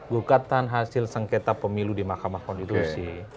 gugatan hasil sengketa pemilu di mahkamah konstitusi